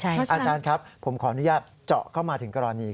อาจารย์ครับผมขออนุญาตเจาะเข้ามาถึงกรณี